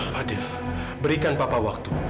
fadil berikan papa waktu